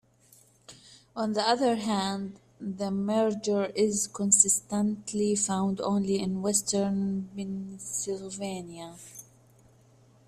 On the other hand, the merger is consistently found only in western Pennsylvania.